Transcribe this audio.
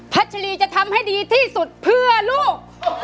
ัชรีจะทำให้ดีที่สุดเพื่อลูก